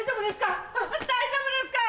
大丈夫ですか？